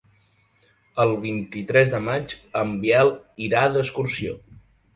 El vint-i-tres de maig en Biel irà d'excursió.